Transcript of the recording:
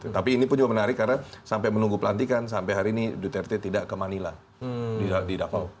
tapi ini pun juga menarik karena sampai menunggu pelantikan sampai hari ini duterte tidak ke manila di davao